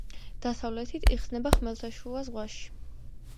დასავლეთით იხსნება ხმელთაშუა ზღვაში.